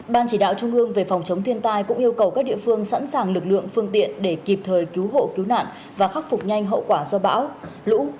ban chỉ đạo trung ương về phòng chống thiên tai cũng yêu cầu các địa phương sẵn sàng lực lượng phương tiện để kịp thời cứu hộ cứu nạn và khắc phục nhanh hậu quả do bão lũ